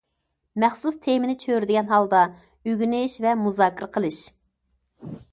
مەخسۇس تېمىنى چۆرىدىگەن ھالدا ئۆگىنىش ۋە مۇزاكىرە قىلىش.